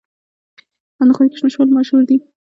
اندخوی کشمش ولې مشهور دي؟